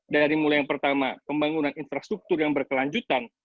dari mulai yang pertama pembangunan infrastruktur yang berkelanjutan